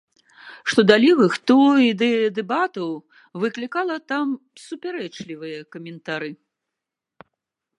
Што да левых, то ідэя дэбатаў выклікала там супярэчлівыя каментары.